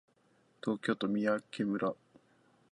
東京都三宅村